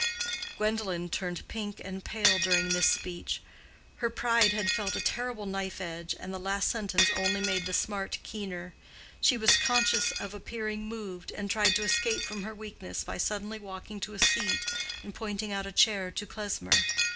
Gwendolen turned pink and pale during this speech. Her pride had felt a terrible knife edge, and the last sentence only made the smart keener. She was conscious of appearing moved, and tried to escape from her weakness by suddenly walking to a seat and pointing out a chair to Klesmer.